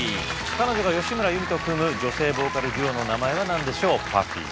彼女が吉村由美と組む女性ボーカルデュオの名前は何でしょうＰＵＦＦＹ